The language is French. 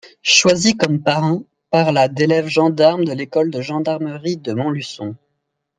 Choisi comme parrain par la d'élèves gendarmes de l'école de gendarmerie de Montluçon.